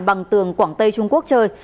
bằng tường quảng tây trung quốc chơi